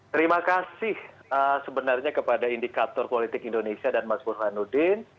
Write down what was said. terima kasih sebenarnya kepada indikator politik indonesia dan mas burhanuddin